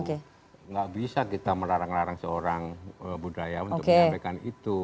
tidak bisa kita melarang larang seorang budaya untuk menyampaikan itu